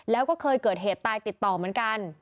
แล้วก็เคยเกิดเหตุตายติดต่อเหมือนกัน